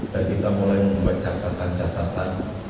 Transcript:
dan kita mulai membaca catatan catatan